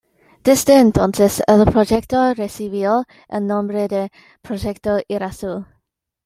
Desde entonces, el proyecto recibió el nombre de Proyecto Irazú.